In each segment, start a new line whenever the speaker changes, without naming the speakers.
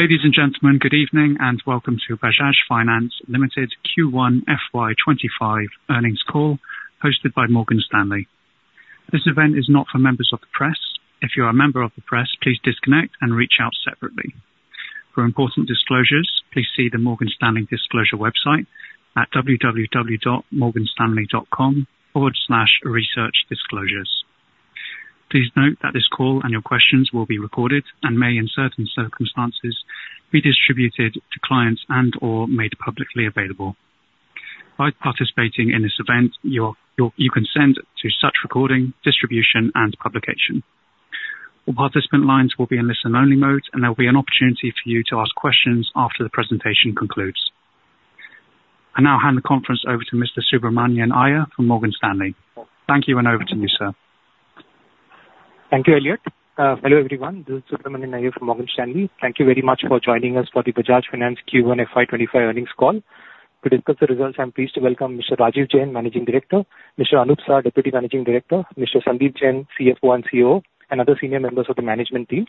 Ladies and gentlemen, good evening and welcome to Bajaj Finance Limited Q1 FY2025 earnings call hosted by Morgan Stanley. This event is not for members of the press. If you are a member of the press, please disconnect and reach out separately. For important disclosures, please see the Morgan Stanley disclosure website at www.morganstanley.com/researchdisclosures. Please note that this call and your questions will be recorded and may in certain circumstances be distributed to clients and or made publicly available. By participating in this event, you consent to such recording, distribution and publication. All participant lines will be in listen-only mode and there will be an opportunity for you to ask questions after the presentation concludes. I now hand the conference over to Mr. Subramanian Iyer from Morgan Stanley. Thank you. And over to you sir.
Thank you, Elliot. Hello everyone. This is Subramanian from Morgan Stanley. Thank you very much for joining us for the Bajaj Finance Q1 FY2025 earnings call to discuss the results. I'm pleased to welcome Mr. Rajeev Jain, Managing Director, Mr. Anup Saha, Deputy Managing Director, Mr. Sandeep Jain, CFO and COO and other senior members of the management team.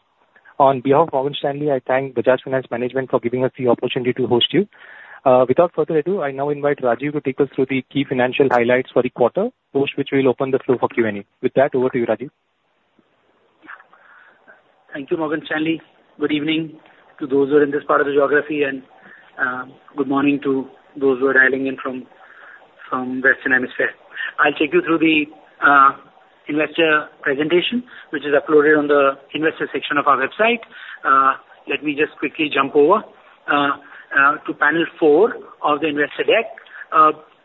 On behalf of Morgan Stanley, I thank Bajaj Finance Management for giving us the opportunity to host you. Without further ado, I now invite Rajeev to take us through the key financial highlights for the quarter post which we'll open the floor for Q and A with that. Over to you Rajeev.
Thank you Morgan Stanley. Good evening to those who are in this part of the geography and good morning to those who are dialing in from Western Hemisphere. I'll take you through the investor presentation which is uploaded on the investor section of our website. Let me just quickly jump over to Panel 4 of the Investor Deck.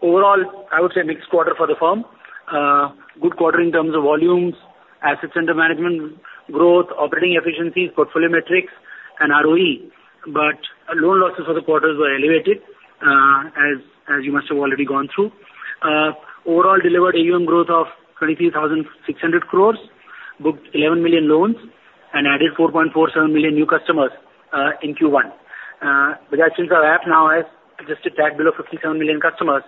Overall I would say next quarter for the firm, good quarter in terms of volumes, assets under management growth, operating efficiencies, portfolio metrics and ROE. But loan losses for the quarters were elevated as you must have already gone through overall delivered AUM growth of 23,600 crore, booked 11 million loans and added 4.47 million new customers in Q1. Since our app now has just a tad below 57 million customers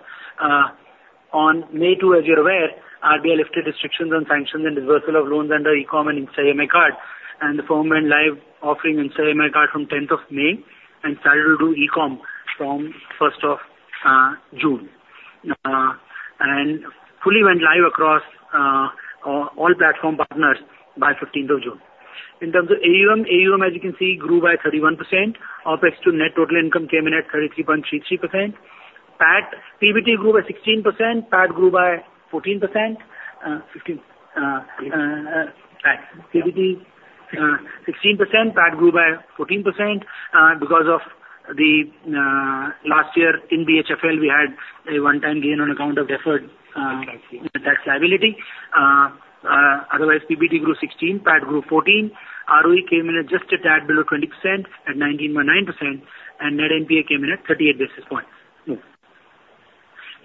on May 2nd. As you're aware, RBI lifted restrictions on sanctions and disbursal of loans under E-com and Insta EMI Card and the firm went live offering Insta EMI Card from 10th of May and started to do E-com from 1st of June and fully went live across all platform partners by 15th of June. In terms of AUM, as you can see, grew by 31%. OPEX to net total income came in at 33.33%. PAT, PBT grew by 16%. PAT grew by 14%. 16%, PAT grew by 14%. Because of last year in BHFL we had a one-time gain on account of deferred tax liability. Otherwise PBT grew 16%, PAT grew 14%. ROE came in just a tad below 20% at 19.9% and Net NPA came in at 38 basis points.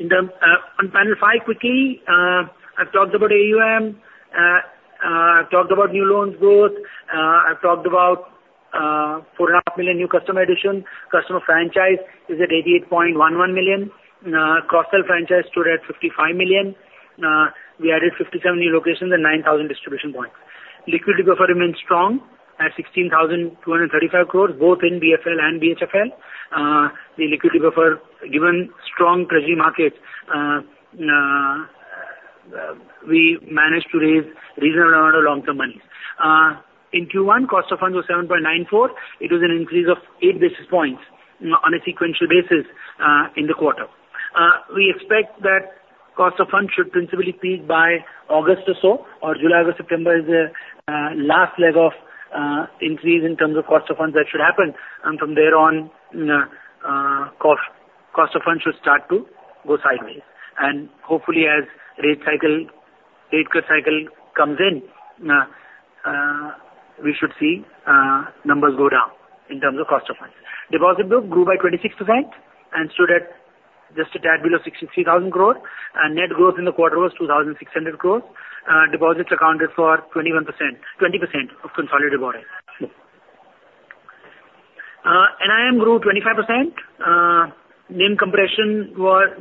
On Panel 5 quickly I've talked about AUM, I've talked about new loans growth. I've talked about 4.5 million new customer addition. Customer franchise is at 88.11 million. Cross-sell franchise stood at 55 million. We added 57 new locations and 9,000 distribution points. Liquidity buffer remains strong at 16,235 crore. Both in BFL and BHFL. The liquidity buffer, given strong treasury markets, we managed to raise reasonable amount of long-term money in Q1. Cost of funds was 7.94%. It was an increase of 8 basis points on a sequential basis in the quarter. We expect that cost of funds should principally peak by August or so or July. August, September is the last leg of increase in terms of cost of funds that should happen and from there on cost of funds should start to go sideways and hopefully as rate cycle, rate cut, cycle comes in, we should see numbers go down in terms of cost of funds. Deposit book grew by 26% and stood at just a tad below 63,000 crore. Net growth in the quarter was 2,600 crore. Deposits accounted for 20% of consolidated borrowings. NIM grew 25%. NIM compression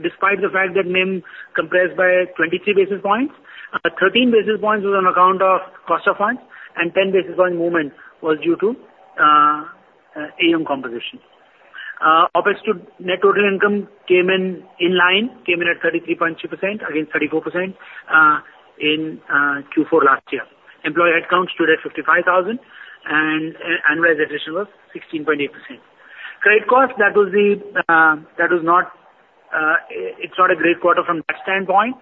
despite the fact that NIM compressed by 23 basis points. 13 basis points was on account of cost of funds and 10 basis point movement was due to AUM composition. OPEX to net total income came in in line, came in at 33.2% again 34% in Q4 last year. Employee headcount stood at 55,000 and annualized attrition was 16.8%. Credit cost. That was not. It's not a great quarter from that standpoint.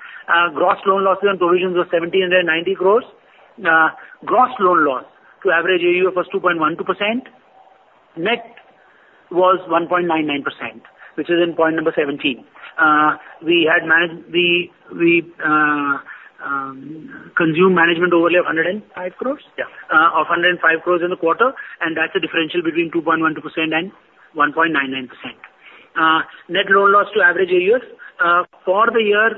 Gross loan losses on provisions was 1,790 crore. Gross loan loss to average AUM was 2.12%. Net was 1.99% which is 0.17 point. We had managed the conservative management overlay of 105 crore of 105 crore in the quarter and that's a differential between 2.12% and 1.99% net loan loss to average AUM for the year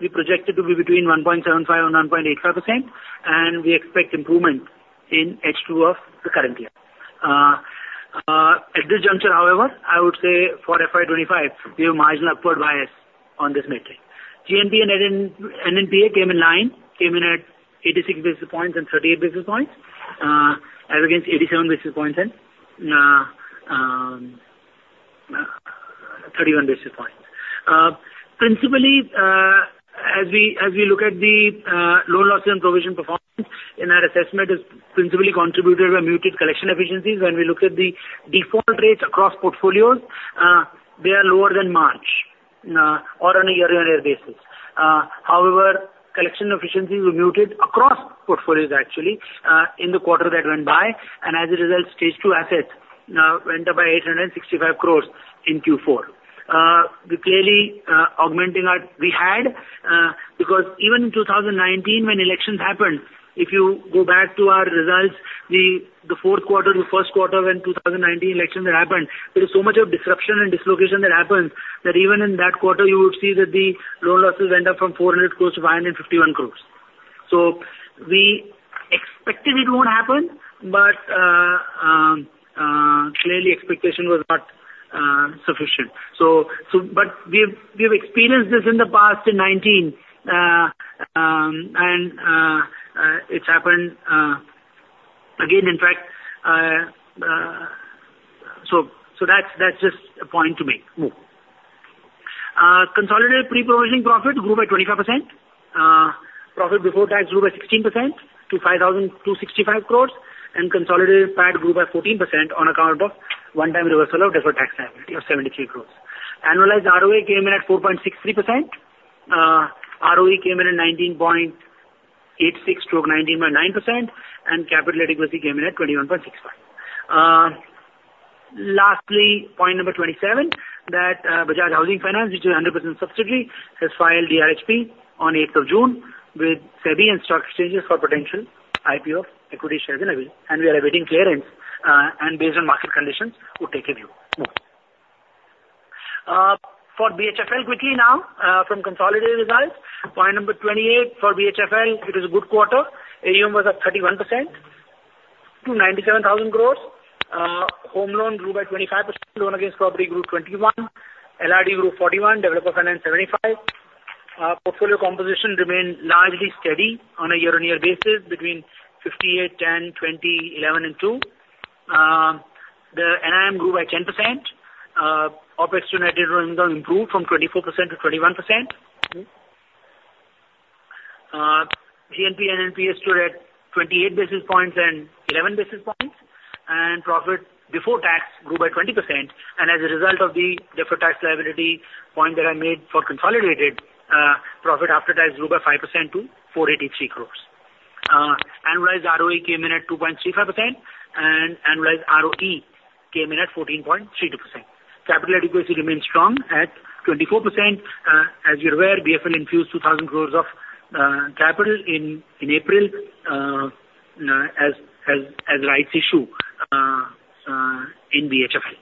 we project it to be between 1.75% and 1.85% and we expect improvement in H2 of the current year at this juncture. However I would say for FY2025 we have marginal upward bias on this metric. GNPA and NNPA came in line at 86 basis points and 38 basis points as against 87 basis points and 31 basis points. Principally as we look at the loan losses and provision performance in our assessment is principally contributed by muted collection efficiencies. When we look at the default rates across portfolios, they are lower than March or on a year-on-year basis. However, collection efficiencies were muted across portfolios actually in the quarter that went by, and as a result, Stage 2 assets went up by 865 crore in Q4. We clearly augmenting our we had because even in 2019 when elections happened, if you go back to our results the fourth quarter, the Q1 when 2019 elections happened, there is so much of disruption and dislocation that happens that even in that quarter you would see that the loan losses went up from 400 crore to 551 crore. So we expected it won't happen but clearly expectation was not sufficient so but we have experienced this in the past in 2019 and it's happened again in fact so that's just a point to make. Consolidated pre-provisioning profit grew by 25%, profit before tax grew by 16% to 5,265 crore and consolidated PAT grew by 14% on account of one-time reversal of deferred tax liability of 73 crore. Annualized ROA came in at 4.63%, ROE came in at 19.86-19.9% and capital adequacy came in at 21.65%. Lastly point number 27 that Bajaj Housing Finance which is 100% subsidiary has filed the RHP on 8th of June with SEBI and stock exchanges for potential IPO equity shares in an and we are awaiting clearance and based on market conditions we take a view for BHFL quickly now from consolidated results point number 28 for BHFL it was a good quarter. AUM was at 31% to 97,000 crore. Home Loan grew by 25%. Loan Against Property grew 21. LRD grew 41. Developer Finance 75. Portfolio composition remained largely steady on a year-on-year basis between 58, 10, 20, 11 and 2. The NIM grew by 10%. OPEX to income ratio rolling down improved from 24% to 21%. GNPA and NNPA stood at 28 basis points and 11 basis points. Profit before tax grew by 20%. As a result of the deferred tax liability point that I made for consolidated, profit after tax grew by 5% to 483 crore. Annualized ROA came in at 2.35% and annualized ROE came in at 14.32%. Capital adequacy remains strong at 24%. As you're aware, BFL infused 2,000 crore of capital in April as rights issue in BHFL.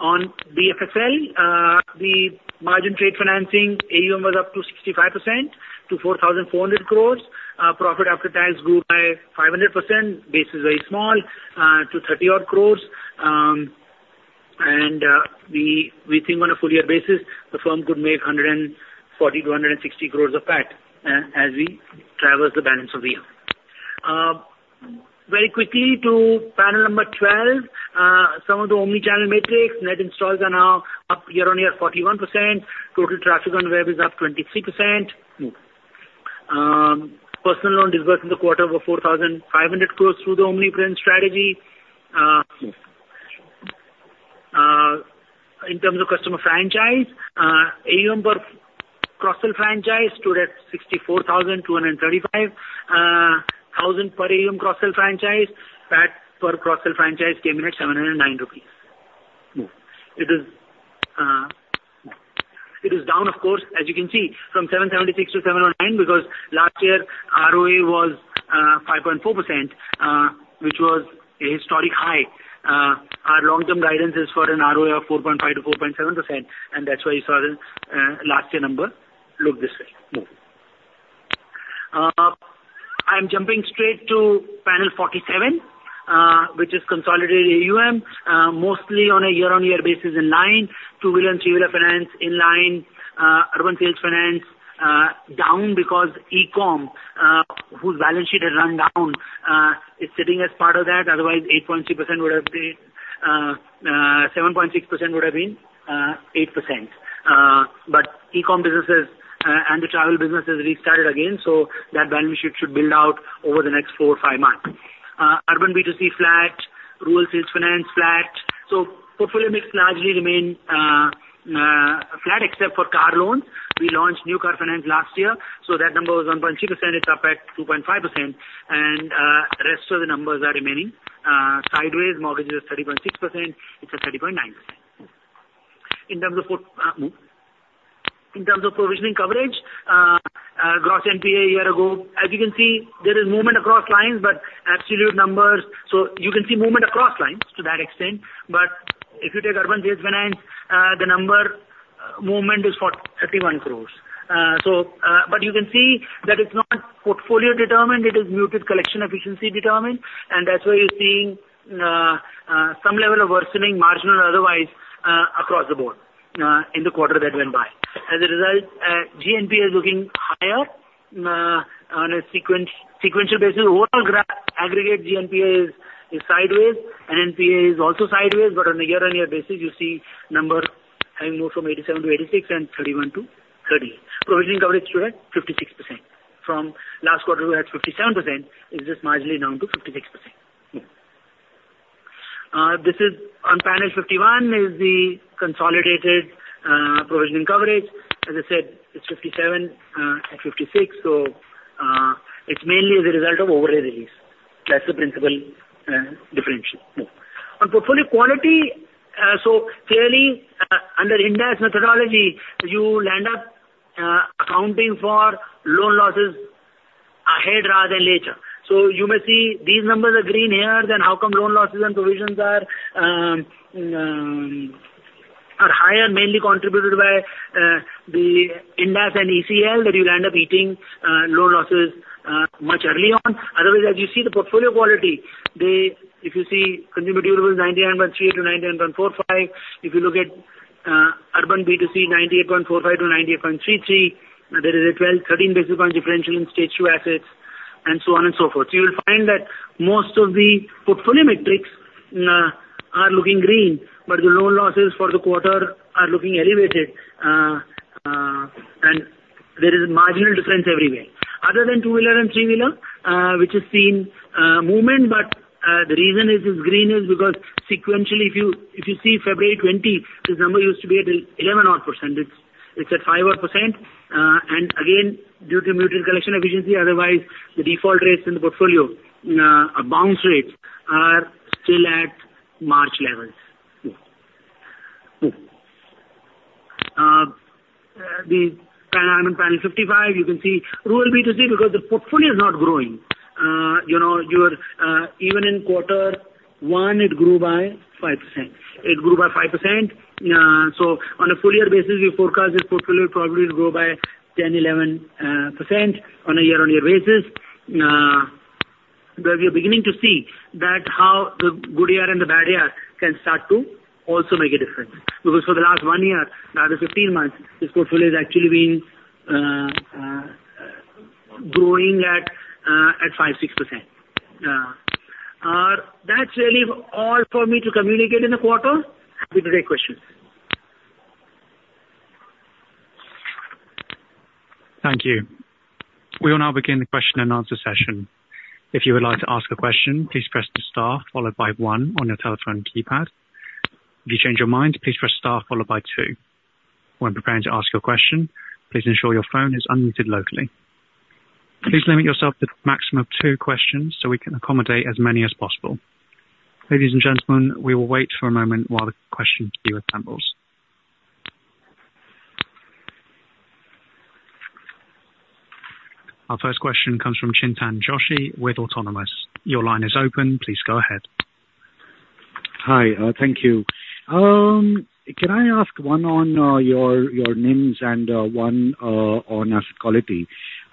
On BFSL, the Margin Trade Financing AUM was up 65% to 4,400 crore. Profit after tax grew by 500% basis very small to 30-odd crore and we think on a full year basis the firm could make 104-160 crore of PAT. As we traverse the balance of the year very quickly to Panel 12, some of the Omnichannel metrics net installs are now up year-on-year 41%. Total traffic on web is up 23%. Personal loan disbursed in the quarter were 4,500 crore through the Omnichannel strategy. In terms of customer franchise, AUM per cross-sell franchise stood at 64,235, AUM cross-sell franchise. That per cross-sell franchise came in at 709 rupees. It is down of course as you can see from 776 to 709 because last year ROA was 5.4% which was historic high. Our long-term guidance is for an ROA of 4.5%-4.7% and that's why you saw the last year number. Look this way, I'm jumping straight to Panel 47 which is consolidated AUM mostly on a year-on-year basis in line Two-Wheeler and Three-Wheeler Finance in line, Urban Sales Finance down because E-com whose balance sheet has run down is sitting as part of that. Otherwise 8.3% would have been 7.6% would have been 8%. But E-com businesses and the travel businesses restarted again. So that balance sheet should build out over the next 45 months. Urban B2C flat, Rural Sales Finance flat. So portfolio mix largely remain flat except for car loans. We launched New Car Finance last year so that number was 1.6%. It's up at 2.5% and rest of the numbers are remaining sideways. Mortgages at 30.6%; it's at 30.9% in terms of, in terms of provisioning coverage Gross NPA a year ago, as you can see there is movement across lines but absolute numbers. So you can see movement across lines to that extent. But if you take Urban B2C the number movement is for 31 crore. So but you can see that it's not portfolio determined, it is muted collection efficiency determined and that's why you're seeing some level of worsening marginal otherwise across the board in the quarter that went by as a result GNPA is looking higher on a sequential basis. Overall graph aggregate GNPA is sideways and NPA is also sideways. But on a year-on-year basis you see number having moved from 87 to 86 and 31 to provisioning coverage stood at 56% from last quarter we had 57%. Is this marginally down to 56%? This is on Panel 51, the consolidated provisioning coverage. As I said, it's 57% at 56%. So it's mainly as a result of overlay release. That's the principal differential on portfolio quality. So clearly under Ind AS methodology you land up accounting for loan losses ahead rather than later. So you may see these numbers are green here. Then how come loan losses and provisions are higher, mainly contributed by the Ind AS and ECL that you'll end up eating loan losses much early on otherwise as you see the portfolio quality there if you see Consumer Durables 99.38%-99.45% if you look at Urban B2C 98.45%-98.33% there is a 12-13 basis point differential in Stage 2 assets and so on and so forth. You will find that most of the portfolio metrics are looking green, but the loan losses for the quarter are looking elevated. There is marginal difference everywhere other than 2 Wheeler and 3 Wheeler which is seen movement. But the reason is this green is because sequentially if you see February 20, this number used to be at 11-odd%, it's at 5-odd% and again due to better collection efficiency. Otherwise the default rates in the portfolio bounce rates are still at March levels. In Panel 5, you can see Rural B2C because the portfolio is not growing. You know you even in Q1 it grew by 5%, it grew by 5%. So on a full year basis we forecast this portfolio probably to grow by 10-11% on a year-on-year basis. But we are beginning to see that how the good year and the bad year can start to also make a difference because for the last one year now the 15 months, this portfolio has actually been growing at 5%-6%. That's really all for me to communicate in the quarter questions.
Thank you. We will now begin the question-and-answer session. If you would like to ask a question, please press star followed by 1 on your telephone keypad. If you change your mind, please press star followed by 2. When preparing to ask your question, please ensure your phone is unmuted locally. Please limit yourself to maximum of two questions so we can accommodate as many as possible. Ladies and gentlemen, we will wait for a moment while the question queue assembles. Our first question comes from Chintan Joshi with Autonomous. Your line is open. Please go ahead.
Hi, thank you. Can I ask one on your NIMs and one on asset quality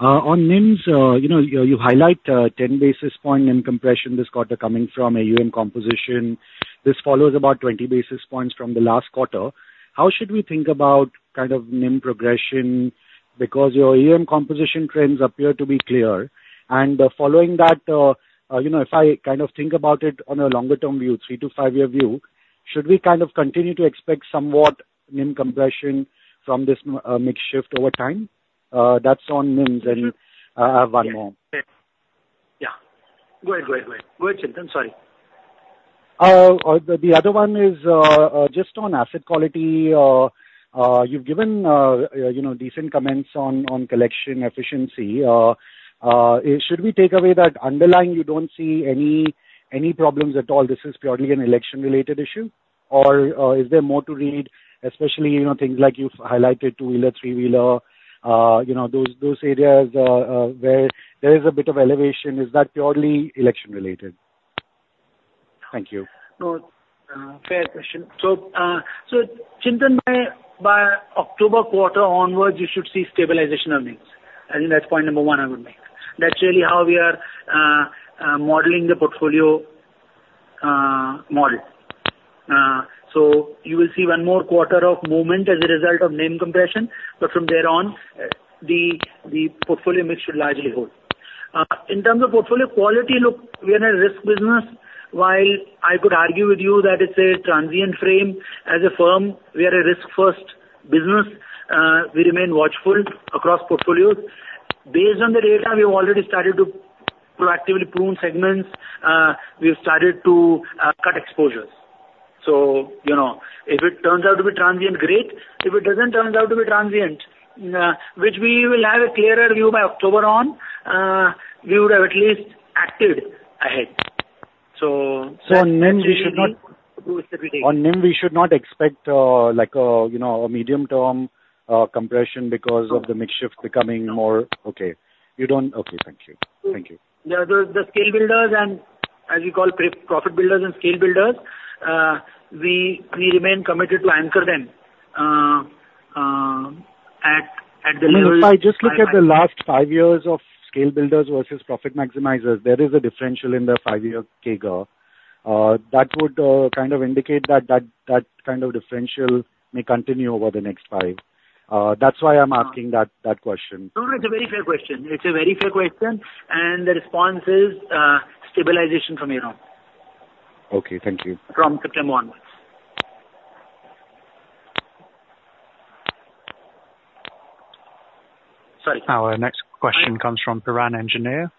on NIMs. You know, you highlight 10 basis point in compression this quarter coming from AUM composition. This follows about 20 basis points from the last quarter. How should we think about kind of NIM progression? Because your EMI composition trends appear to be clear and following that, you know, if I kind of think about it on a longer term view, 3- to 5-year view, should we kind of continue to expect somewhat NIM compression from this mix shift over time? That's on NIMs. And I have one more.
Yeah, go ahead Chintan. Sorry.
The other one is just on asset quality. You've given you know, decent comments on collection efficiency. Should we take away that underlying. You don't see any, any problems at all? This is purely an election-related issue or is there more to read? Especially you know, things like you've highlighted two-wheeler, three-wheeler, you know those, those areas where there is a bit of elevation. Is that purely election-related? Thank you.
Fair question. So Chintan, maybe by October quarter onwards you should see stabilization earnings. I think that's point number one I would make. That's really how we are modeling the portfolio model. So you will see one more quarter of movement as a result of NIM compression. But from there on the portfolio mix should largely hold in terms of portfolio quality. Look, we are in a risk business. While I could argue with you that it's a transient frame, as a firm we are a risk-first business. We remain watchful across portfolios and based on the data we've already started to proactively prune segments, we've started to cut exposures. So you know, if it turns out to be transient, great. If it doesn't turn out to be transient, which we will have a clearer view by October on, we would have at least acted ahead.
So on NIM, we should not expect like you know, a medium term compression because of the mix shift becoming more. Okay, you don't. Okay, thank you. Thank you.
The Scale Builders and as we call Profit Builders and Scale Builders, we remain committed to anchor them at the level.
I just look at the last five years of Scale Builders versus profit maximizers. There is a differential in the five year CAGR that would kind of indicate that, that that kind of differential may continue over the next five. That's why I'm asking that, that question.
It's a very fair question. It's a very fair question. And the response is stabilization from, you know.
Okay, thank you.
From September onwards.
Sorry. Our next question comes from Piran Engineer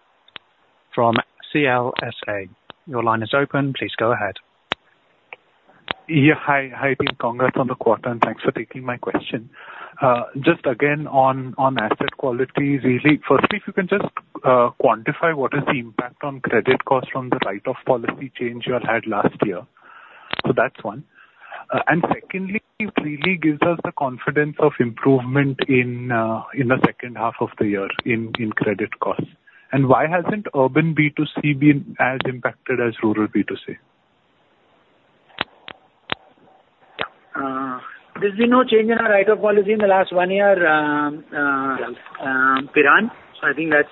from CLSA. Your line is open. Please go ahead.
Yeah, hi team, congrats on the quarter and thanks for taking my question just again on asset quality. Really. Firstly, if you can just quantify what is the impact on credit cost from the write-off policy change you had last year. So that's one. And secondly really gives us the confidence of improvement in the second half of the year in credit costs. And why hasn't Urban B2C been as impacted as Rural B2C?
There's been no change in our impairment policy in the last one year Piran. So I think that's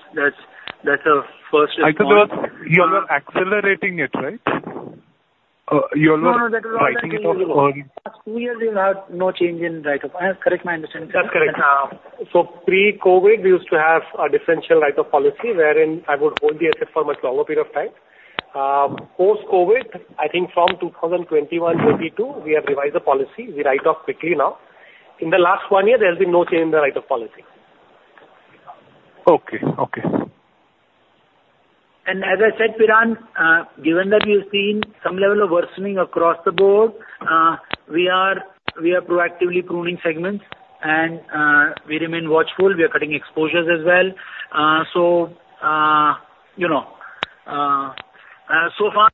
the first.
You were accelerating it, right?
No change in write-off, correct?
My understanding that's correct. So pre-COVID, we used to have a differential write-off policy wherein I would hold the asset for a much longer period of time. Post-COVID, I think from 2021, 2022 we have revised the policy. We write off quickly now. In the last one year there has been no change in the write-off policy.
Okay. Okay.
And as I said, given that you've seen some level of worsening across the board, we are proactively pruning segments and we remain watchful. We are cutting exposures as well. So you know, so far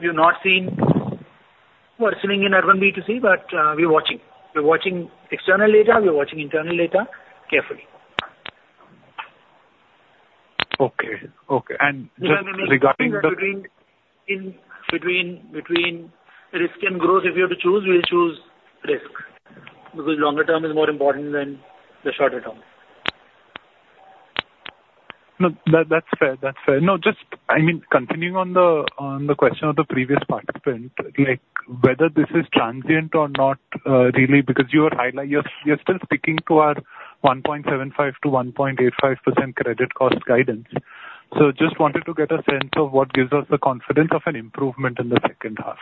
we've not seen worsening in Urban B2C. But we're watching external data, we're watching internal data carefully.
Okay. Okay. Regarding the...
between risk and growth, if you have to choose, we'll choose risk because longer term is more important than the shorter term.
That's fair. That's fair. No, just, I mean continuing on the question of the previous participant, like whether this is transient or not really, because you are highlighting, you're still sticking to our 1.75%-1.85% credit cost guidance. So just wanted to get a sense of what gives us the confidence of an improvement in the second half.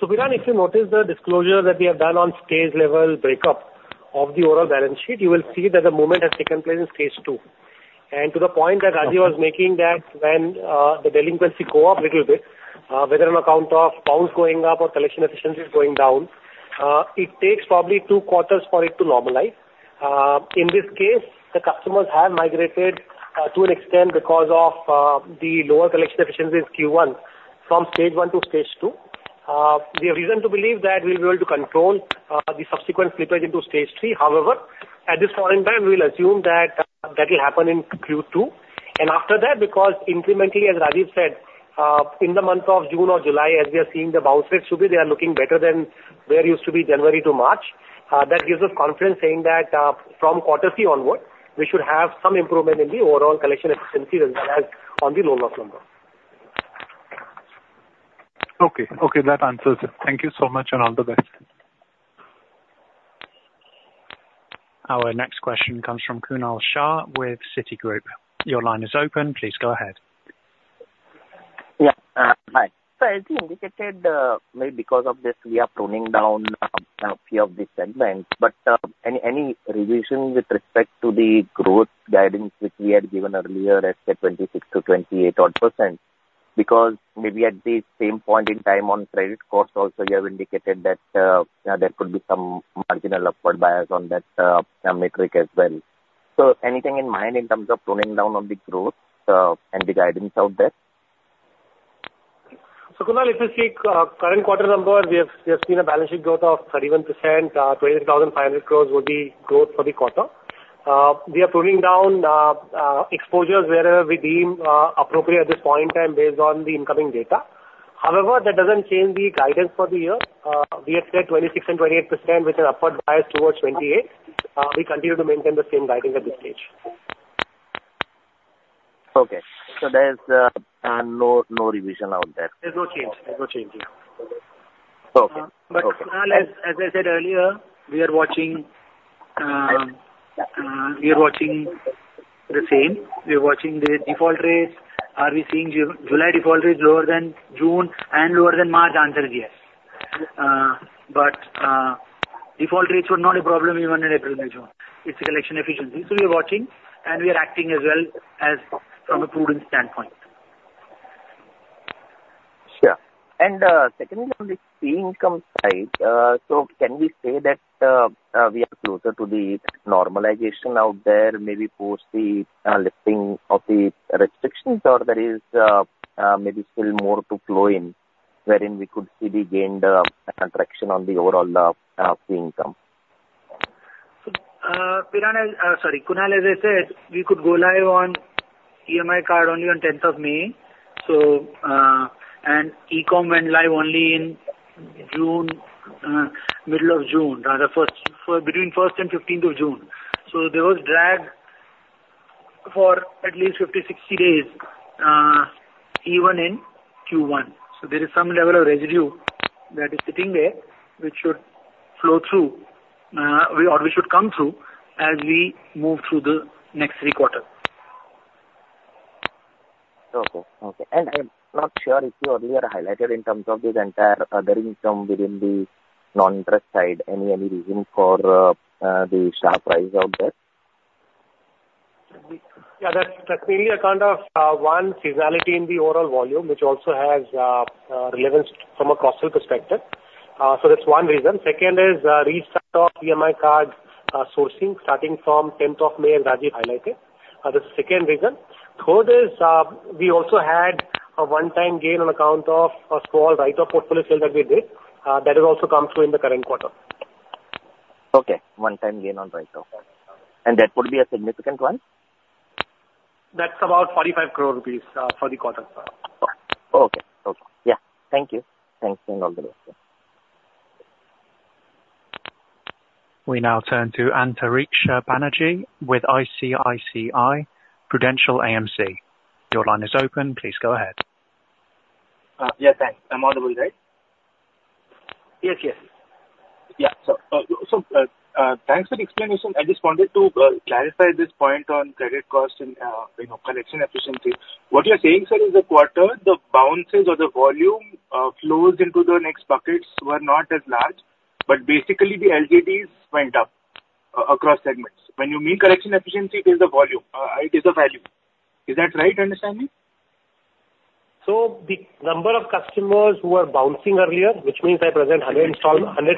So Piran, if you notice the disclosure that we have done on stage-level breakup of the overall balance sheet, you will see that the movement has taken place in Stage 2 and to the point that Rajeev was making that when the delinquency go up little bit, whether on account of bounce going up or collection efficiencies going down, it takes probably 2-4 for it to normalize. In this case, the customers have migrated to an extent because of the lower collection efficiencies Q1 from Stage 1 to Stage 2, we have reason to believe that we'll be able to control the subsequent flippage into Stage 3. However, at this point in time we will assume that that will happen in Q2 and after that. Because incrementally, as Rajeev said, in the month of June or July, as we are seeing the bounce rate should be, they are looking better than where used to be January to March. That gives us confidence saying that from quarter three onward we should have some improvement in the overall collection efficiency as well as on the loan loss number.
Okay. Okay, that answers it. Thank you so much and all the best.
Our next question comes from Kunal Shah with Citigroup. Your line is open. Please go ahead.
Yeah, hi. As indicated, maybe because of this we are toning down a few of the segments. But any revision with respect to the growth guidance which we had given earlier at 26%-28% odd because maybe at the same point in time on credit cost also you have indicated that there could be some marginal upward bias on that metric as well. So anything in mind in terms of toning down on the growth and the guidance out there?
So Kunal, if you see current quarter number, we have seen a balance sheet growth of 31%. 23,500 crore would be growth for the quarter. We are pulling down exposures wherever we deem appropriate at this point in time based on the incoming data. However, that doesn't change. The guidance for the year we had said 26% and 28% with an upward bias towards 28. We continue to maintain the same guidance at this stage.
Okay, so there's no revision out there.
There's no change. There's no change here.
Okay, but
As I said earlier, we are watching. We are watching the same. We are watching the default rates. Are we seeing July default rate lower than June and lower than March? Answer is yes. But default rates were not a problem even in April. It's a collection efficiency so we are watching and we are acting as well as from a prudent standpoint.
Yeah. And secondly on the fee income side, so can we say that we are closer to the normalization out there maybe post the lifting of the restrictions or there is maybe still more to flow in wherein we could see the gained traction on the overall fee income.
Sorry Kunal, as I said we could go live on EMI Card only on 10th of May. So. E-Com went live only in June, middle of June rather between 1st and 15th of June. So there was drag for at least 50, 60 days even in Q1. So there is some level of residue that is sitting there which should flow through or we should come through as we move through the next three quarters.
Okay. Okay. I'm not sure if you earlier highlighted in terms of this entire other income within the non interest side any, any reason for the sharp rise out there.
Yeah, that's definitely a kind of one seasonality in the overall volume which also has relevance from a cost perspective. So that's one reason. Second is restart of EMI Card sourcing starting from 10th of May as Rajeev highlighted the second reason. Third is we also had a one-time gain on account of a small write-off portfolio sale that we did that has also come through in the current quarter.
Okay, one-time gain on write-off and that would be a significant one.
That's about 45 crore rupees for the quarter.
Okay. Okay. Yeah, thank you. Thanks.
We now turn to Antariksh Banerjee with ICICI Prudential AMC. Your line is open. Please go ahead.
Yeah, thanks. I'm audible right?
Yes. Yes.
Yeah. So thanks for the explanation. I just wanted to clarify this point on credit cost and collection efficiency. What you're saying sir is the quarter, the bounces or the volume flows into the next buckets were not as large but basically the LGDs went up across segments. When you mean collection efficiency, it is the volume, it is the value. Is that right? Understand me?
So the number of customers who are bouncing earlier, which means I present 100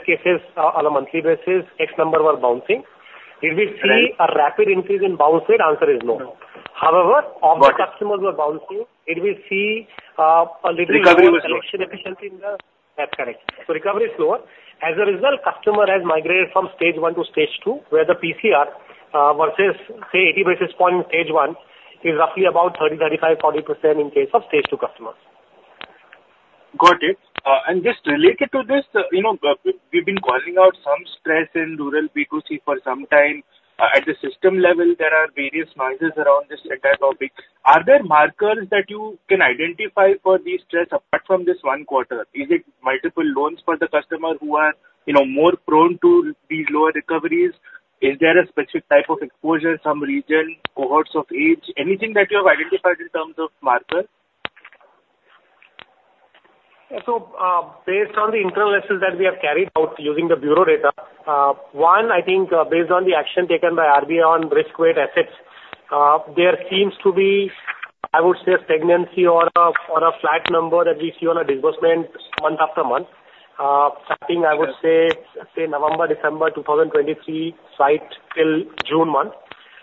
cases on a monthly basis X number were bouncing. Did we see a rapid increase in bounce rate? Answer is no. However all the customers were bouncing. It will see a little collection efficiency in the recovery is slower. As a result, customer has migrated from Stage 1 to Stage 2 where the PCR versus say 80 basis point in Stage 1 is roughly about 30%, 35%, 40% in case of Stage 2 customers.
Got it. And just related to this, you know we've been calling out some stress in Rural B2C for some time at the system level there are various noises around this entire topic. Are there markers that you can identify for these stress apart from this 1/4? Is it multiple loans for the customer who are, you know, more prone to these lower recoveries? Is there a specific type of exposure in some region, cohorts of age, anything that you have identified in terms of marker?
So based on the internal lessons that we have carried out using the bureau data, one, I think based on the action taken by RBI on risk-weighted assets, there seems to be, I would say, stagnancy or a flat number that we see on a disbursement month after month starting, I would say, November, December 2023, slight till June month.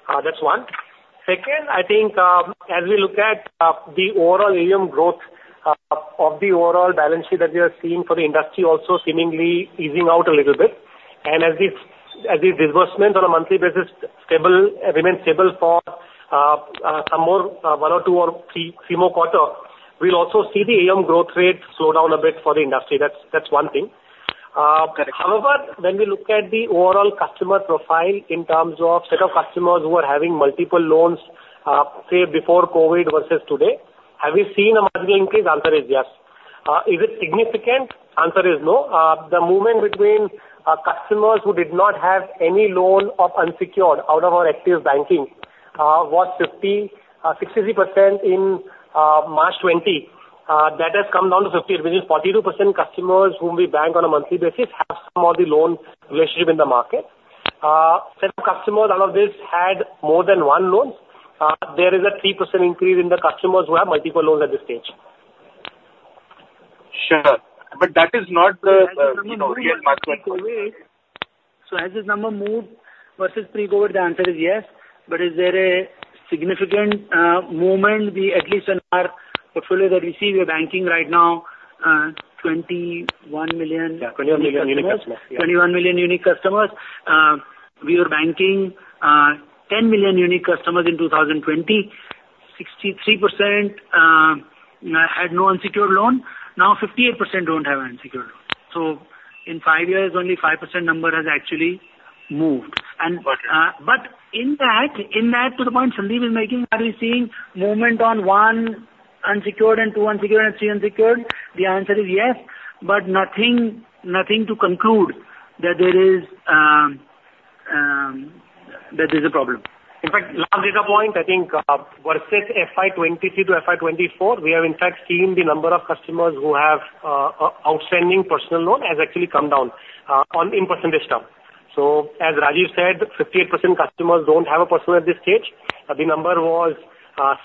That's one. Second. I think as we look at the overall AUM growth of the overall balance sheet that we are seeing for the industry also seemingly easing out a little bit. As these disbursements on a monthly basis stable remains stable for some more 1 or 2 or 3 more quarters, we'll also see the AUM growth rate slow down a bit for the industry. That's one thing. However, when we look at the overall customer profile in terms of set of customers who are having multiple loans, say before COVID versus today, have you seen a much bigger increase? The answer is yes. Is it significant? Answer is no. The movement between customers who did not have any loan of unsecured out of our active banking was 50.63% in March 2020. That has come down to 52%. Customers whom we bank on a monthly basis have some of the loan relationship in the market. All of this had more than one loans. There is a 3% increase in the customers who have multiple loans at this point. Stage 3,
Sure, but that is not
So as this number moved versus pre-COVID the answer is yes. But is there a significant movement at least in our portfolio that we see we are banking right now 21 million unique customers. 21 million unique customers. We were banking 10 million unique customers in 2020. 63% had no unsecured loan. Now 58% don't have unsecured loans. So in five years only 5% number has actually moved. But in that, in that to the point Sandeep is making are we seeing movement on 1 unsecured and 2 unsecured and 3 unsecured? The answer is yes. But nothing, nothing to conclude that there is that is a problem. In fact I think versus FY2023 to FY2024 we have in fact seen the number of customers who have outstanding personal loan has actually come down in percentage term. So as Rajeev said, 58% customers don't have a personal loan at this stage. The number was 60%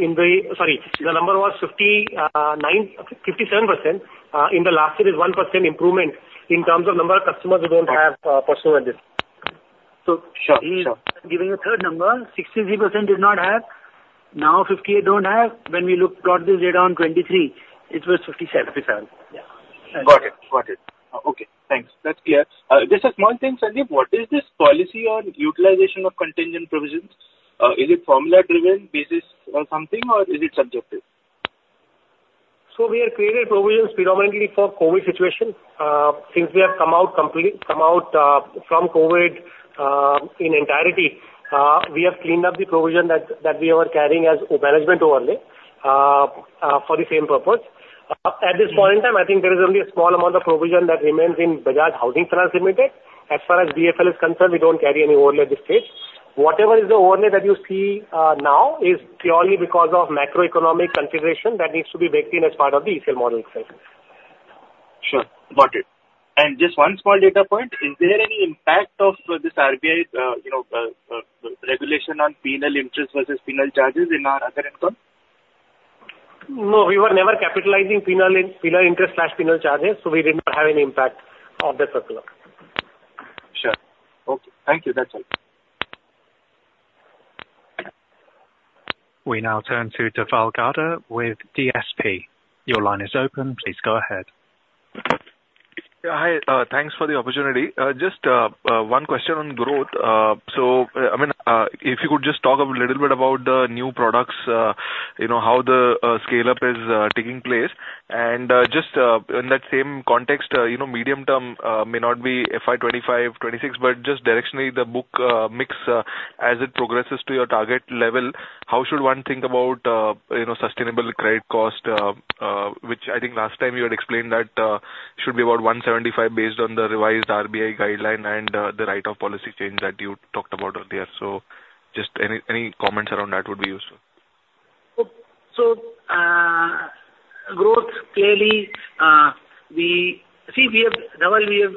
in the. Sorry, the number was 59. 57% in the last year is 1% improvement in terms of number of customers who don't have personal loans. So sure. Giving a third number 63% did not have. Now 58 don't have. When we look plot this data on FY2023. It was 57.
Got it. Got it. Okay, thanks. That's clear. Just a small thing, Sandeep, what is this policy on utilization of contingent provisions? Is it formula driven basis something or is it subjective?
So we have created provisions predominantly for COVID situation. Since we have come out completely come out from COVID in entirety. We have cleaned up the provision that we were carrying as management overlay for the same purpose. At this point in time I think there is only a small amount of provision that remains in Bajaj Housing Finance Limited as far as BFL is concerned. We don't carry any overlays. Whatever is the overlay that you see now is purely because of macroeconomic conditions that needs to be baked in as part of the ECL model itself.
Sure, got it. And just one small data point. Is there any impact of this RBI, you know, regulation on penal interest versus penal charges in our other income?
No, we were never capitalizing penal, penal interest, penal charges. So we did not have any impact from this.
Sure. Okay, thank you.
We now turn to Dhaval Gada with DSP. Your line is open. Please go ahead.
Hi. Thanks for the opportunity. Just one question on growth. So I mean if you could just talk a little bit about the new products. You know how the scale up is taking place. And just in that same context, medium term may not be FY2025, 2026. But just directionally the book mix as it progresses to your target level. How should one think about sustainable credit cost which I think last time you had explained that should be about 175 based on the revised RBI guideline and the write off policy change that you talked about earlier. So just any comments around that would be useful. So growth clearly we see we have Dhaval, we have.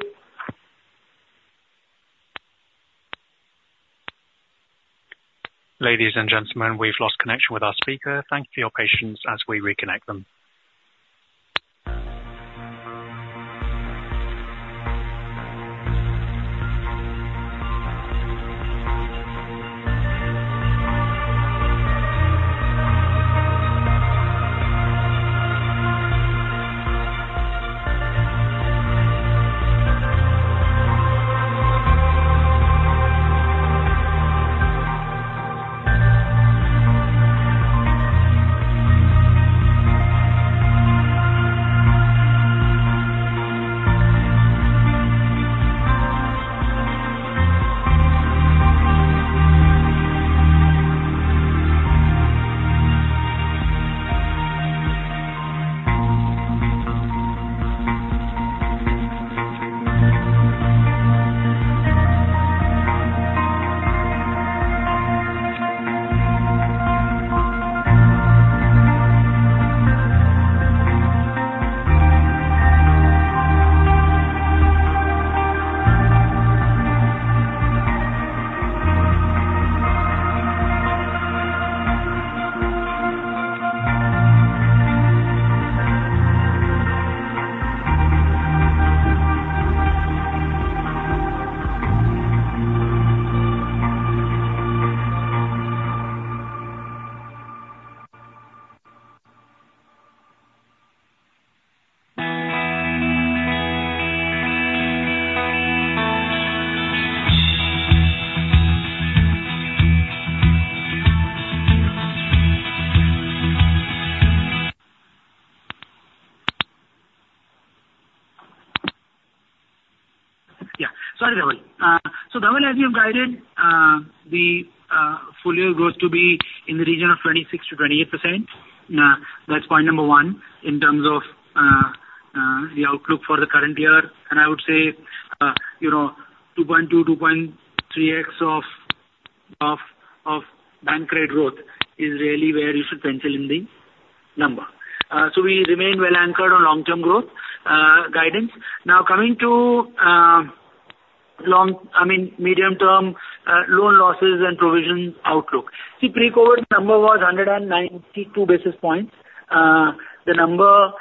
Ladies and gentlemen, we've lost connection with our speaker. Thank you for your patience as we reconnect them. Yeah. Sorry Dhaval.
So Dhaval, as you guided the full year grows to be in the region of 26%-28%. That's point number one in terms of the outlook for the current year. And I would say, you know 2.2-2.3x of bank credit growth is really where you should pencil in the number. So we remain well anchored on long-term growth guidance. Now coming to long I mean medium-term loan losses and provisions outlook. See pre-COVID number was 192 basis points the number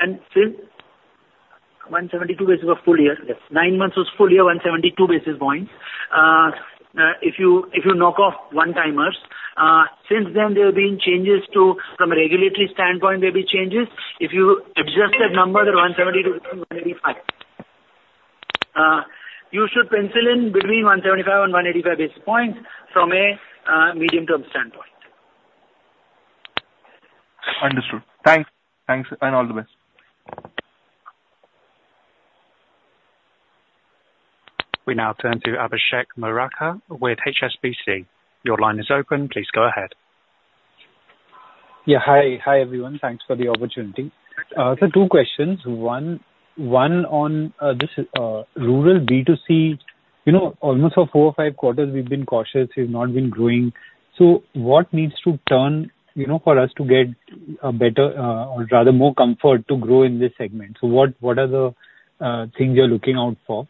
and 172 basis points full year. Yes, nine months was full year. 172 basis points. If you knock off one-timers since then there have been changes too from a regulatory standpoint there'll be changes if you adjust that number the 170-185 you should pencil in between 175 and 185 basis points from a medium-term standpoint.
Understood. Thanks. Thanks and all the best.
We now turn to Abhishek Murarka with HSBC. Your line is open. Please go ahead.
Yeah, hi. Hi everyone. Thanks for the opportunity. So two questions. One, one on this Rural B2C, you know, almost for four or five quarters we've been cautious, we've not been growing. So what needs to turn, you know, for us to get a better or rather more comfort to grow in this segment. So what, what are the things you're looking out for?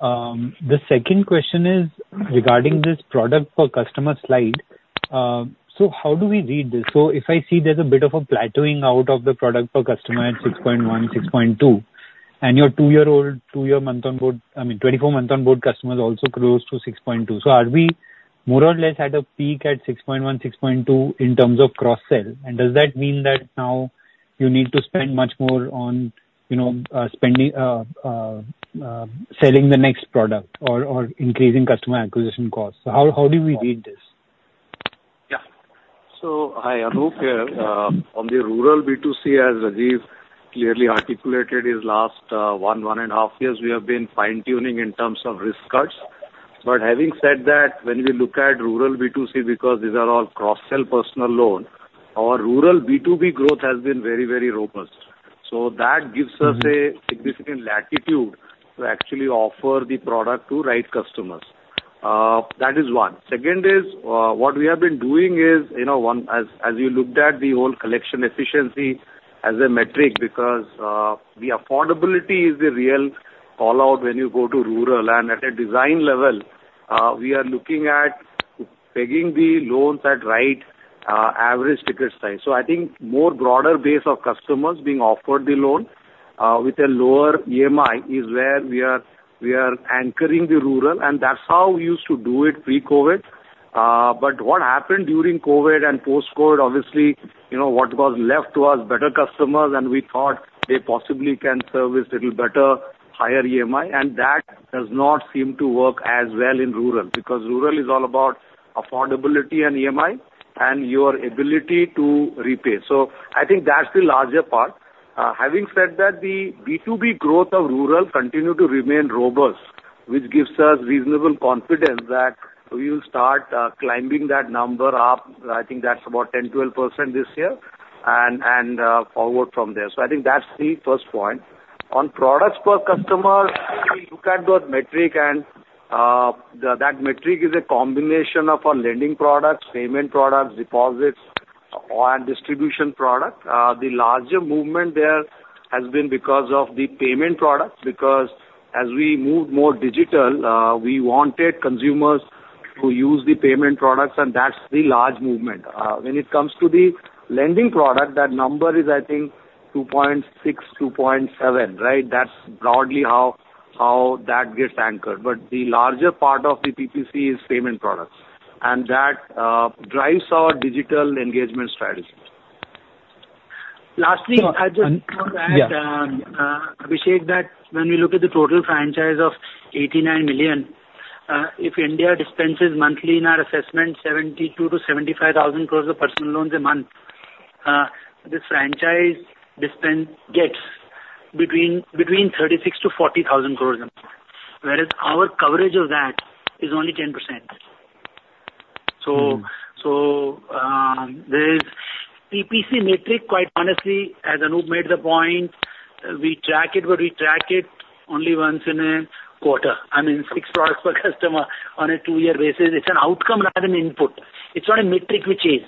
The second question is regarding this products per customer slide. So how do we read this? So if I see there's a bit of a plateauing out of the products per customer at 6.1-6.2 and your 2-year-old 2-year month on board, I mean 24-month on board customers also close to 6.2. So, are we more or less at a peak at 6.1-6.2 in terms of cross-sell and does that mean that now you need to spend much more on, you know, spending selling the next product or increasing customer acquisition costs? So how do we read this?
Yeah, so hi Anup here. On the Rural B2C, as Rajeev clearly articulated, in his last 1.5 years we have been fine-tuning in terms of risk cuts. But having said that, when we look at Rural B2C because these are all cross-sell personal loan, our rural B2B growth has been very, very robust. So that gives us a significant latitude to actually offer the product to right customers. That is one second is what we have been doing is you know as you looked at the whole collection efficiency as a metric because the affordability is the real call out when you go to rural. And at a design level we are looking at pegging the loans at right average ticket size. So I think more broader base of customers being offered the loan with a lower EMI is where we are anchoring the rural and that's how we used to do it pre-COVID but what happened during COVID and post-COVID obviously what was left to us better customers and we thought they possibly can service little better higher EMI and that does not seem to work as well in rural because rural is all about affordability and EMI and your ability to repay. So I think that's the larger part. Having said that, the B2B growth of rural continues to remain robust, which gives us reasonable confidence that we will start climbing that number up. I think that's about 10%-12% this year and forward from there. So I think that's the first point on products per customer. Look at those metrics and that metric is a combination of our lending products products, payment products, deposits and distribution products. The larger movement there has been because of the payment products because as we move more digital we wanted consumers to use the payment products and that's the large movement when it comes to the lending product that number is I think 2.6-2.7. Right. That's broadly how that gets anchored but the larger part part of the PPC is payment products and that drives our digital engagement strategy.
Lastly, I just want to add, Abhishek, that when we look at the total franchise of 89 million, if India dispenses monthly, in our assessment, 72,000 crore-75,000 crore of personal loans a month, this franchise gets between 36,000 crore-40,000 crore a month, whereas our coverage of that is only 10%. So there's PPC metric. Quite honestly, as Anup made the point, we track it, but we track it only once in a quarter. I mean, 6 products per customer on a 2-year basis—it's an outcome rather than input. It's not a metric which is;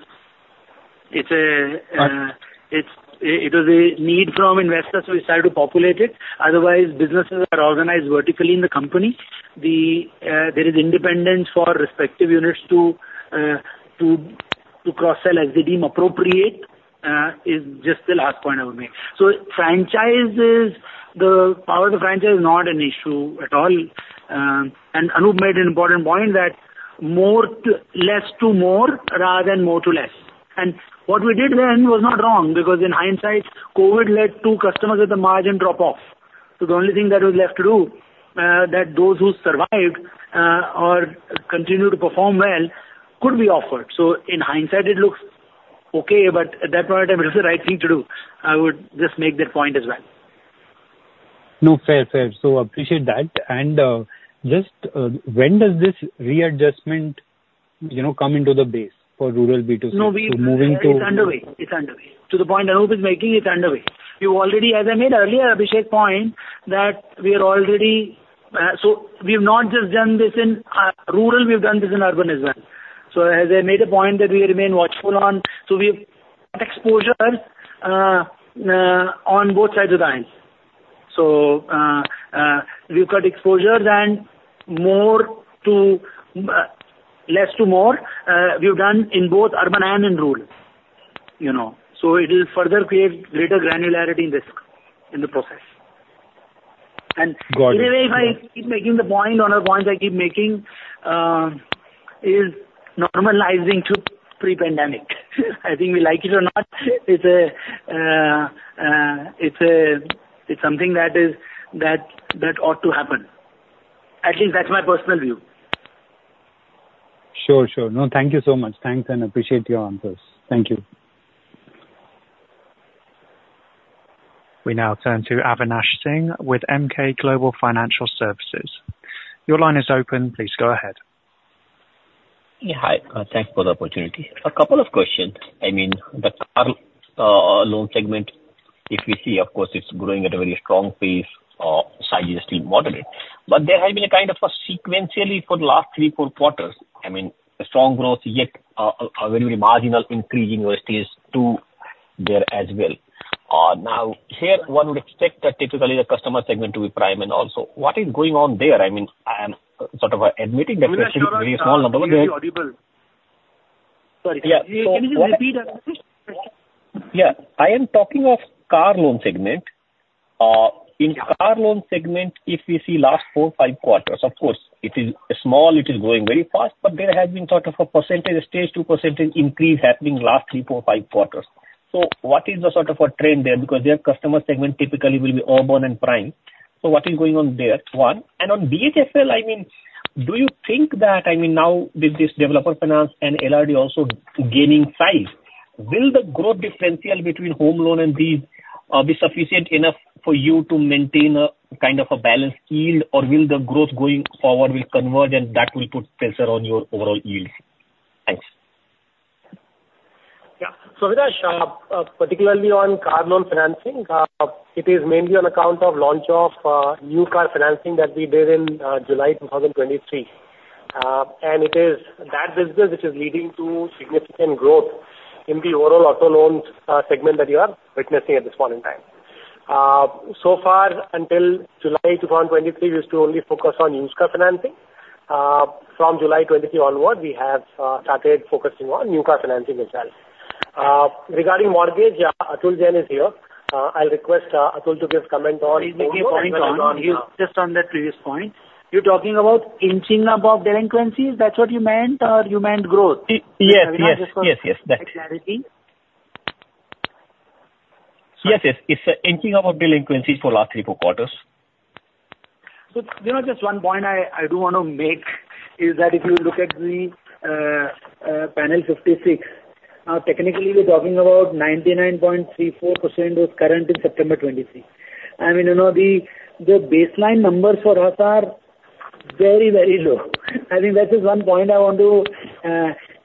it was a need from investors who decided to populate it. Otherwise, businesses are organized vertically in the company. There is independence for respective units to cross-sell as they deem appropriate. It's just the last point I would make. So, franchises, the power of the franchise is not an issue at all, and Anup made an important point that more less to more rather than more to less. And what we did then was not wrong because in hindsight COVID led to customers with a margin drop off. So the only thing that was left to do that those who survived or continue to perform well could be offered. So in hindsight it looks okay, but at that point it is the right thing to do. I would just make that point as well.
No, fair, fair. So appreciate that and just when does this readjustment, you know, come into the base for Rural B2C?
It's underway. It's underway. To the point Anup is making. It's underway. You already as I made earlier Abhishek point that we are already. So we have not just done this in rural, we've done this in urban as well. So as I made a point that we remain watchful on so we have exposure on both sides of the aisle. So we've got exposures and more to less to more we've done in both urban and in rural, you know, so it will further create greater granularity in this in the process. And if I keep making the point on a point I keep making is normalizing to pre-pandemic, I think we like it or not. It's a, it's a, it's something that is that that ought to happen. At least that's my personal view.
Sure, sure. No, thank you so much. Thanks and appreciate your answers. Thank you.
We now turn to Avinash Singh with Emkay Global Financial Services. Your line is open. Please go ahead. Hi.
Thanks for the opportunity. A couple of questions. I mean the loan segment if we see of course it's growing at a very strong pace. Size is still moderate but there has been a kind of a sequentially for the last 3, 4 quarters. I mean strong growth yet a very very marginal increasing vintage to there as well. Now here one would expect that typically the customer segment to be prime. And also what is going on there? I mean I am sort of alluding to that. Yeah, I am talking of car loan segment. In car loan segment if we see last 4, 5 quarters of course it is small, it is growing very fast. But there has been sort of a percentage Stage 2 percentage increase happening last 3, 4, 5 quarters. So what is the sort of a trend there? Because their customer segment typically will be urban and prime. So what is going on there one and on BHFL? I mean, do you think that—I mean, now with this developer finance and LRD also gaining size—will the growth differential between home loan and these be sufficient enough for you to maintain a kind of a balanced yield, or will the growth going forward converge and that will put pressure on your overall yield? Thanks.
Yeah. So particularly on car loan financing, it is mainly on account of launch of new car financing that we did in July 2023, and it is that business which is leading to significant growth in the overall auto loans segment that you are witnessing at this point in time. So far until July 2023, we used to only focus on used car financing. From July 2023 onward, we have started focusing on new car financing itself. Regarding mortgage, Atul Jain is here. I'll request Atul to give comment or he's making a point on his. Just on that previous point, you're talking about inching above delinquencies. That's what you meant or you meant growth.
Yes, yes, yes, yes, yes. It's inching up of delinquencies for last three, four quarters.
You know just one point I, I do want to make is that if you look at the Panel 56 now technically we're talking about 99.34% was current in September '23. I mean you know the, the baseline numbers for us are very very low. I think that is one point I want to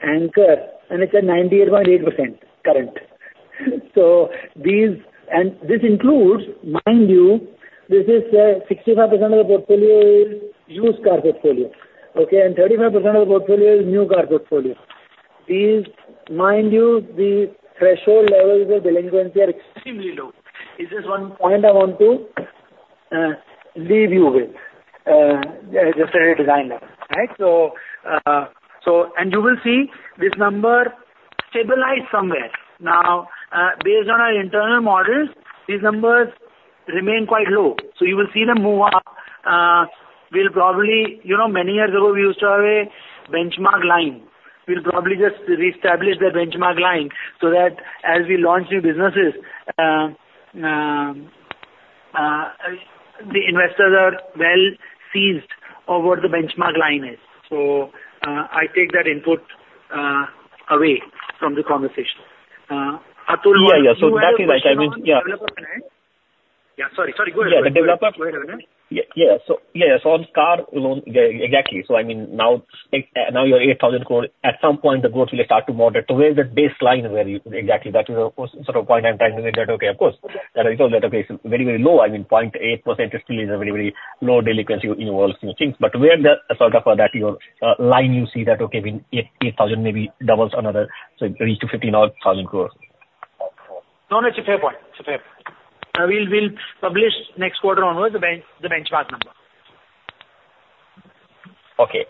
anchor. It's a 98.8% current. So these and this includes mind you this is 65% of the portfolio is used car portfolio. Okay. 35% of the portfolio is new car portfolio. These, mind you, the threshold levels of delinquency are extremely low. This is one point I want to leave you with just a design level. Right. So and you will see this number stabilized somewhere. Now based on our internal models, these numbers remain quite low. So you will see them move up. We'll probably, you know, many years ago we used to have a benchmark line. We'll probably just reestablish the benchmark line so that as we launch new businesses the investors are well seized of what the benchmark line is. So I take that input away from the conversation.
Yeah. So yes, on car alone. Exactly. So I mean now, now you're 8,000 crore. At some point the growth will start to moderate to where the baseline where you. Exactly. That is a sort of point I'm trying to make that. Okay, of course that I told that. Okay. It's very very low. I mean 0.8% still is a very very low delinquency involves you things. But where the sort of that your line you see that okay. 8,000 crore maybe doubles another so reach to 15,000 crore.
We will publish next quarter onwards even the benchmark number.
Okay.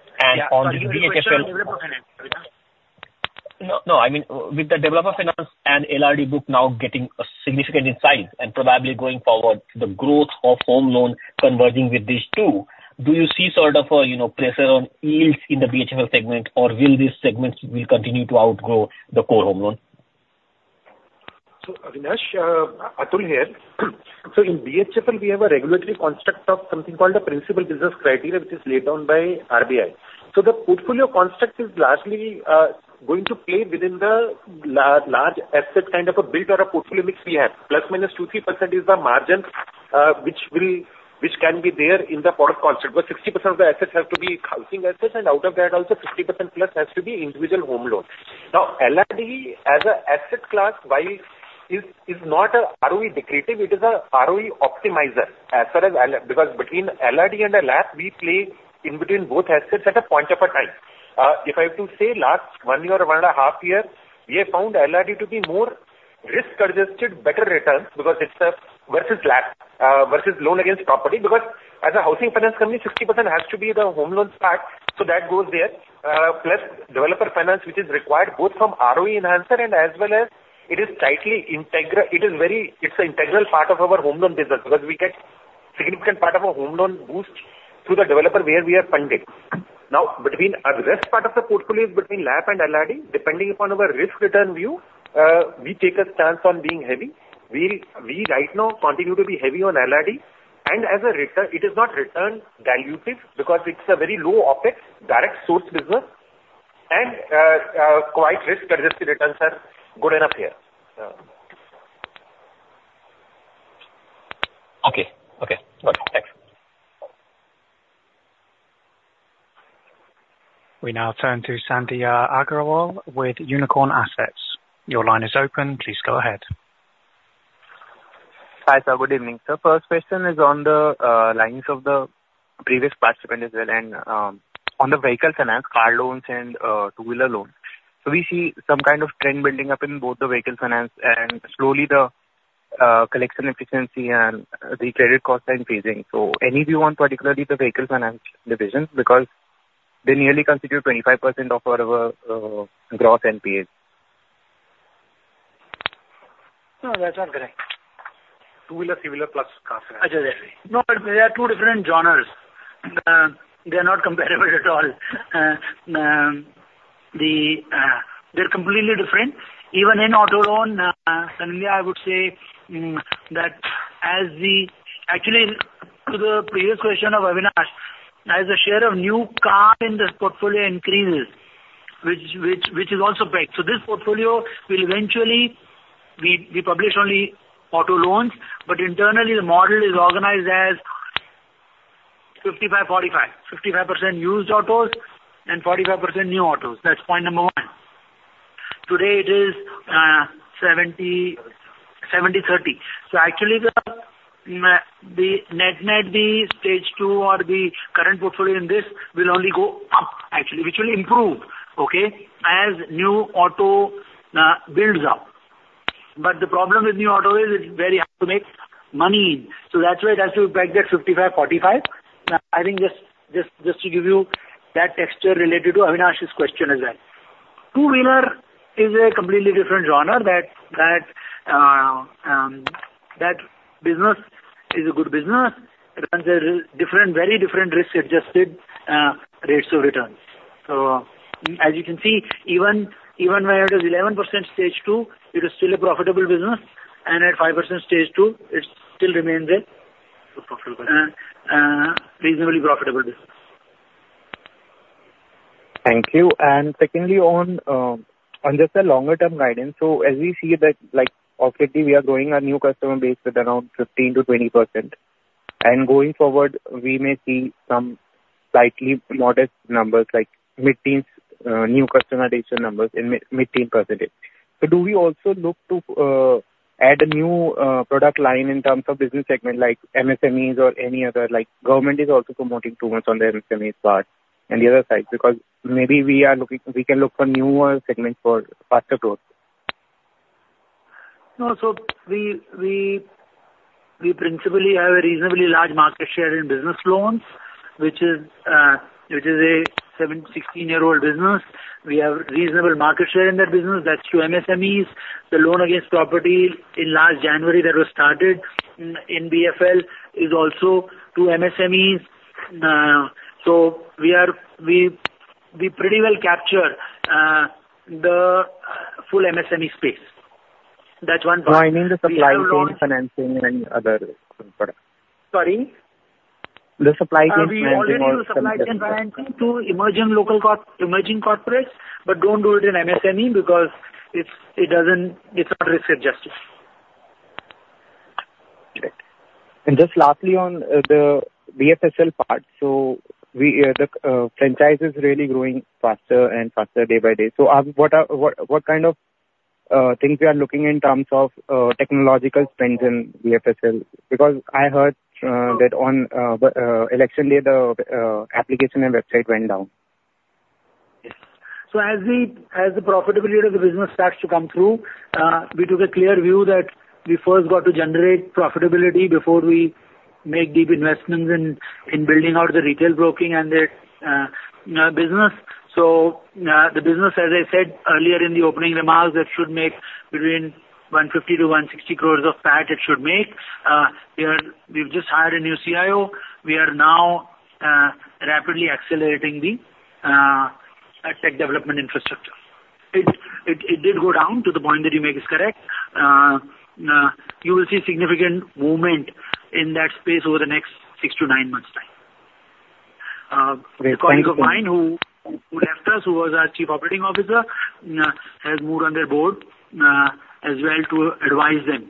No, no, I mean with the developer finance and LRD book now getting a significant in size and probably going forward the growth of home loan converging with these two. Do you see sort of a you know pressure on yields in the BHFL segment or will these segments will continue to outgrow the core home loan. So Atul here. So in BHFL we have a regulatory construct of something called a principal business criteria which is laid down by RBI.
So the portfolio construct is largely going to play within the large asset kind of a built or a portfolio mix. We have ±2-3% is the margin which will which can be there in the product concept. But 60% of the assets have to be housing assets and out of that also 50%+ has to be individual home loan. Now LRD as an asset class is not ROE decretive, it is a ROE optimizer. As far as because between LRD and a LAP we play in between both assets at a point of a time. If I have to say last one year or one and a half years. We have found LRD to be more risk-adjusted better returns because it's versus LAP versus loan against property. Because as a housing finance company 60% has to be the home loans part. So that goes there plus developer finance which is required both from ROE enhancer and as well as it is tightly integral. It is very. It's an integral part of our home loan business because we get significant part of a home loan boost through the developer where we are funding now between the rest part of the portfolio is between LAP and LRD. Depending upon our risk return view we take a stance of being heavy. We right now continue to be heavy on LRD and as a return it is not return dilutive because it's a very low OPEX direct source business and quite risk adjusted returns are good enough here.
Okay. Okay, thanks.
We now turn to Sandhya Agarwal with Unicorn Assets. Your line is open. Please go ahead.
Hi sir. Good evening sir. First question is on the lines of the previous participant as well and on the vehicle finance, car loans and two-wheeler loans. So we see some kind of trend building up in both the vehicle finance and slowly the collection efficiency and the credit cost increasing. So any view on particularly the vehicle finance division because they nearly constitute 25% of our Gross NPAs.
No, that's not correct. Two wheeler plus. No, they are two different journals. They're not comparable at all. They're completely different. Even in auto loan. I would say that as the actually to the previous question of Avinash, as the share of new car in this portfolio increases which is also pegged. So this portfolio will eventually be published only auto loans. But internally the model is organized as 55, 45, 55% used autos and 45% new autos. That's point number one. Today it is 70, 70:30. So actually the net, net the stage two or the current portfolio in this will only go up actually which will improve okay. As new auto builds up. But the problem with new auto is it's very hard to make money. So that's why it has to be backed at 55:45 I think just to give you that texture related to Avinash's question is that two wheeler is a completely different genre. That business is a good business. Different, very different risk adjusted rates of return. So as you can see even when it is 11% stage two it is still a profitable business and at 5% stage two it still remains a profitable, reasonably profitable business.
Thank you. And secondly on just a longer term guidance. So as we see that like obviously we are growing our new customer base with around 15%-20% and going forward we may see some slightly modest numbers like mid-teens new customization numbers in mid-teens %. So do we also look to add a new product line in terms of business segment like MSMEs or any other like government is also promoting too much on their SMEs part. And the other side because maybe we are looking, we can look for new segments for faster growth.
No. So we principally have a reasonably large market share in business loans which is a 716-year-old business. We have reasonable market share in that business. That's through MSMEs. The loan against property in last January that was started in BFL is also two MSMEs. So we are, we pretty well capture the full MSME space. That's one.
No, I mean the supply chain financing and other products,
sorry
the supply chain
financing to emerging local, emerging corporates. But don't do it in MSME because it doesn't. It's not risk-adjusted.
And just lastly on the BFSL part. So we, the franchise is really growing faster and faster day by day. So what kind of things we are looking in terms of technological spends in BFSL because I heard that on election day the application and website went down.
So as the profitability of the business starts to come through we took a clear view that we first got to generate profitability before we make deep investments in building out the retail broking and the business. So the business as I said earlier in the opening remarks that should make between 150 crore and 160 crore of PAT. It should make. We've just hired a new CIO. We are now rapidly accelerating the tech development infrastructure. It did go down to the point that you make is correct. You will see significant movement in that space over the next 6-9 months time. A colleague of mine who left us, who was our chief operating officer has moved on their board as well to advise them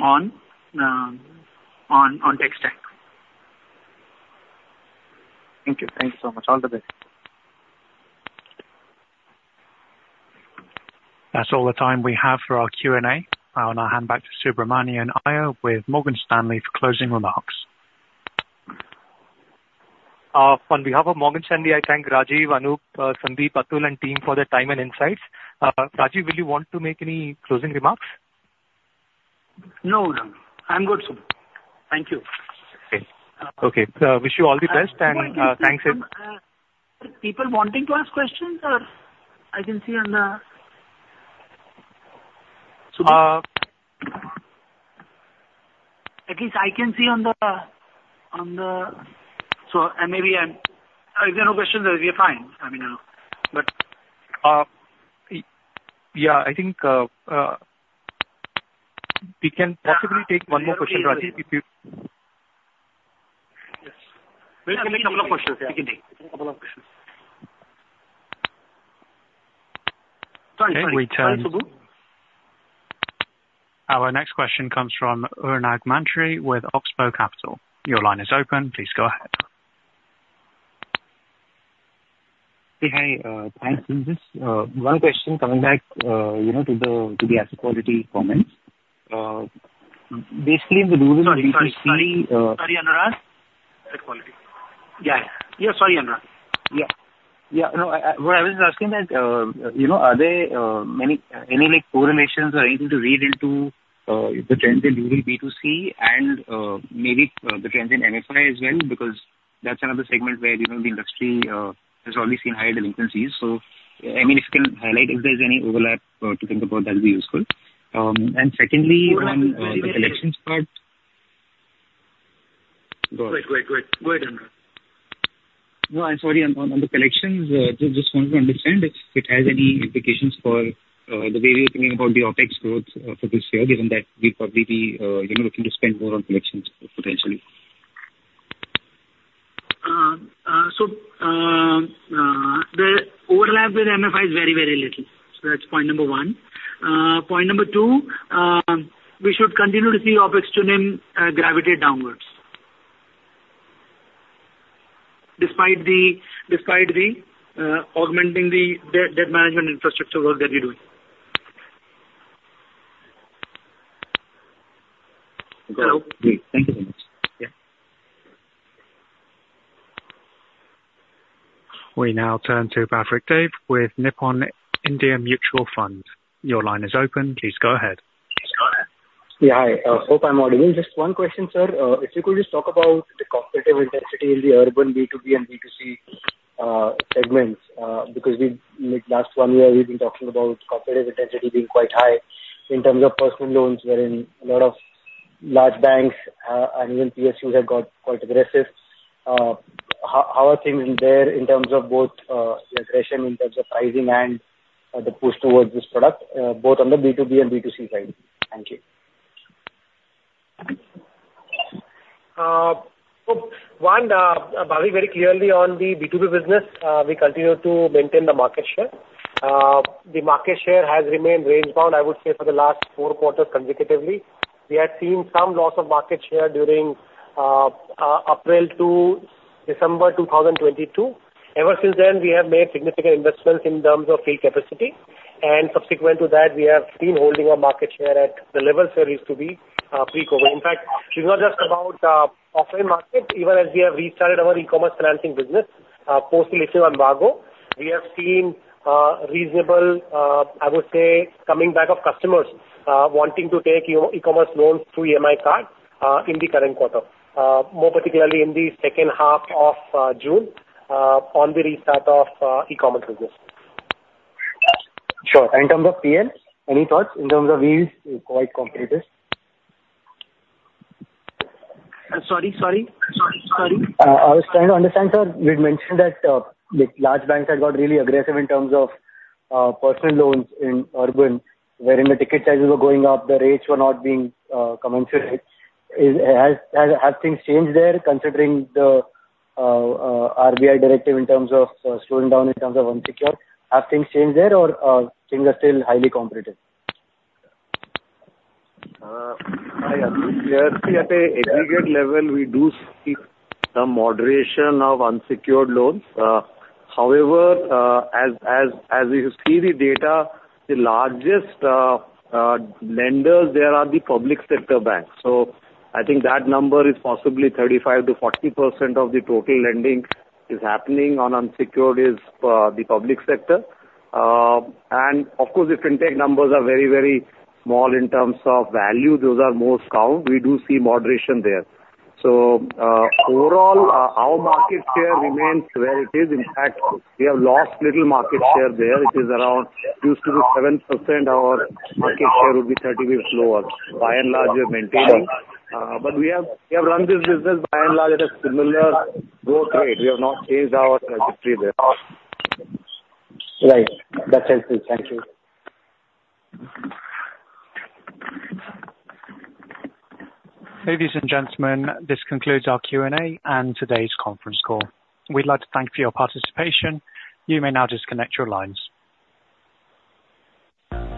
on tech stack.
Thank you. Thank you so much. All the best.
That's all the time we have for our Q&A. I'll now hand back to Subramanian Iyer with Morgan Stanley for closing remarks.
On behalf of Morgan Stanley, I thank Rajeev, Anup, Sandeep Jain and team for their time and insights. Rajeev, will you want to make any closing remarks?
No, I'm good, thank you.
Okay. Wish you all the best and thanks.
People wanting to ask questions or I can see on the.... If there are no questions, we are fine. I mean,
but yeah, I think we can possibly take one more question.
Our next question comes from Umang Mantri with Oxbow Capital. Your line is open. Please go ahead.
Thanks. Just one question coming back, you know, to the asset quality comments basically in the calls. Yeah, yeah, sorry, yeah, yeah. No, what I was asking that, you know, are there many any like correlations or anything to read into the trends in B2C and maybe the trends in MFI as well? Because that's another segment where you know, the industry has already seen higher delinquencies. So I mean if you can highlight, if there's any overlap to think about, that'll be useful. And secondly, collections part.
Go ahead.
No, I'm sorry on the collections.
Just wanted to understand if it has any implications for the way we are thinking about the OPEX growth for this year, given that we'd probably be looking to spend more on collections potentially. So the overlap with MFI is very, very little. So that's point number one. Point number two, we should continue to see OPEX to NIM gravitate downwards despite the, despite the augmenting the debt management infrastructure work that we're doing.
Okay, thanks.
We now turn to Bhavik Dave with Nippon India Mutual Fund. Your line is open. Please go ahead.
Yeah, I hope I'm audible. Just one question, sir. If you could just talk about the competitive intensity in the urban B2B and B2C segments because we last one year we've been talking about competitive intensity being quite high in terms of personal loans wherein a lot of large banks and even PSUs have got quite aggressive. How are things there in terms of both aggression in terms of pricing and the push towards this product, both on the B2B and B2C side.
Thank you. Bhavik, very clearly on the B2B business we continue to maintain the market share. The market share has remained rangebound I would say for the last four quarters consecutively. We had seen some loss of market share during April to December 2022. Ever since then we have made significant investments in terms of field capacity and subsequent to that we have seen holding up market share at the levels that used to be pre-COVID impact. It's not just about offline market. Even as we have restarted our e-commerce financing business post election embargo, we have seen reasonable, I would say, coming back of customers wanting to take e-commerce loans through EMI Card in the current quarter, more particularly in the second half of June on the restart of e-commerce. Sure. In terms of PL, any thoughts in terms of these quite competitive?
Sorry, sorry, sorry. I was trying to understand, sir. We'd mentioned that large banks had got really aggressive in terms of personal loans in urban wherein the ticket sizes were going up, the rates were not being commensurate. Have things changed there considering the RBI directive in terms of slowing down in terms of unsecured? Have things changed there or things are still highly competitive?
At an aggregate level, we do see the moderation of unsecured loans. However, as you see the data, the largest lenders there are the public sector banks, so I think that number is possibly 35%-40% of the total lending is happening on unsecured is the public sector, and of course the fintech numbers are very very small in terms of value, those are most count. We do see moderation there. So overall our market share remains where it is. In fact we have lost little market share there. It is around used to be 7% of our market share would be 30% lower. By and large we're maintaining but we have run this business by and large at a similar growth rate. We have not changed our trajectory there.
Right. That helps me. Thank you.
Ladies and gentlemen, this concludes our Q&A and today's conference call. We'd like to thank for your participation. You may now disconnect your lines.